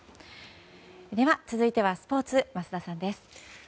では続いてはスポーツ桝田さんです。